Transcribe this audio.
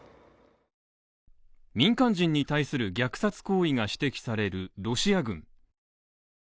民間人に対する虐殺行為が指摘されるロシア軍。